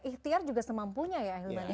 ihtiar juga semampunya ya ahli bandara